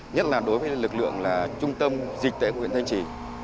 nhất là đối với lực lượng là trung tâm dịch tễ của huyện thanh trì